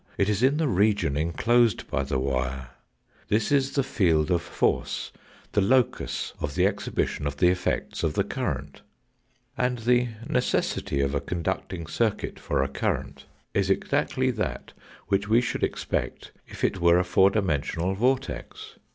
It is in the region enclosed by the wire, this is the field of force, the locus of the exhibition of the effects of the current. And the necessity of a conducting circuit for a current is 84 THE FOURTH DIMENSION exactly that which we should expect if it were a four dimen sional vortex.